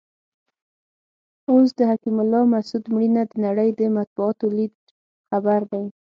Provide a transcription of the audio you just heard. اوس د حکیم الله مسود مړینه د نړۍ د مطبوعاتو لیډ خبر دی.